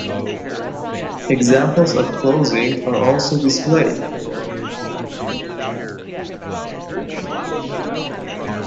Examples of clothing are also displayed.